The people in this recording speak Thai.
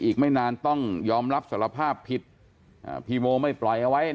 อีกไม่นานต้องยอมรับสารภาพผิดพี่โบไม่ปล่อยเอาไว้